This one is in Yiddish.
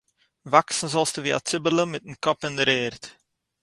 װאַקסן זאָלסטו װי אַ ציבעלע מיטן קאָפּ אין דר'ערד!